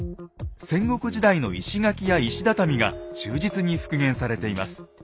戦国時代の石垣や石畳が忠実に復元されています。